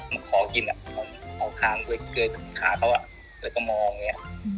มันขอกินอ่ะเอาขามาเกยที่ขาเขาอ่ะแล้วก็มองอย่างเงี้ย